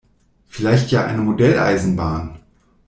Vielleicht ja eine Modelleisenbahn?